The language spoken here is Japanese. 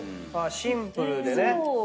シンプルでね。